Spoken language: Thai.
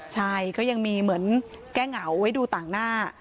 ใช่ก็ยังมีเหมือนแก้เหงาไว้ดูต่างหน้า